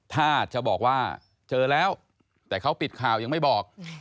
ถ้าจะบอกว่าเจอแล้วแต่เขาปิดข่าวยังไม่บอก